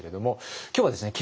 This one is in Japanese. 今日はですね